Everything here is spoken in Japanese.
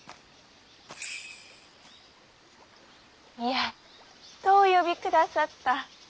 やっとお呼びくださった。